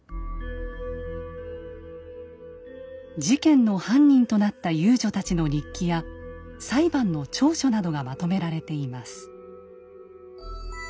事件の犯人となった遊女たちの日記や裁判の調書などがまとめられています。